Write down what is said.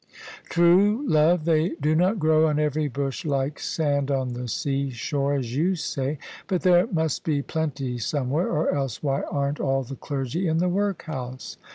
" True, love, they do not grow on every bush like sand on the seashore, as you say: but there must be plenty some where, or else why aren't all the clergy in the workhouse?